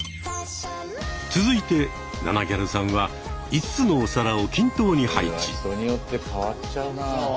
続いてナナぎゃるさんは５つのお皿を均等に配置。